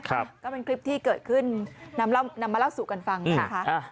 ก็เป็นคลิปที่เกิดขึ้นนำมาเล่าสู่กันฟังนะคะ